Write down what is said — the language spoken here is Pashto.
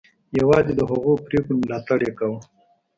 یوازې د هغو پرېکړو ملاتړ یې کاوه.